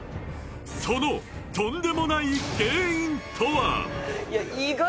そのとんでもない原因とは？